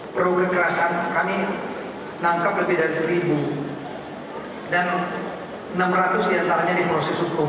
pro kekerasan kami nangkap lebih dari seribu dan enam ratus diantaranya di proses hukum